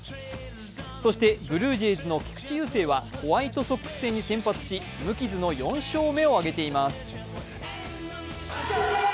そしてブルージェイズの菊池雄星はホワイトソックス戦に先発し、無傷の４勝目を挙げています。